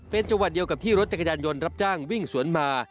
เป็นจังหวัดเดียวกับที่รถจักรยานยนต์รับจ้างวิ่งสวนมา